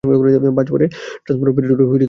বাজ পড়ে কোনো ট্রান্সফরমার পুড়েটুড়ে গেছে হয়তো।